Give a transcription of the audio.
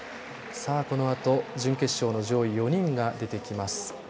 このあと、準決勝の上位４人が出てきます。